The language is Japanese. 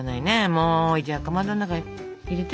もうじゃあかまどの中に入れて。